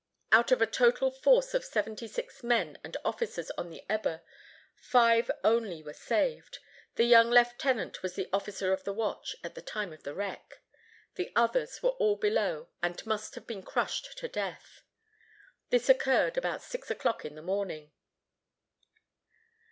Out of a total force of seventy six men and officers on the Eber, five only were saved. The young lieutenant was the officer of the watch at the time of the wreck. The others were all below, and must have been crushed to death. This occurred about six o'clock in the morning.